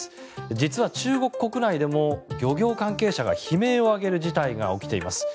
実は、中国国内でも漁業関係者が悲鳴を上げる事態が起きています。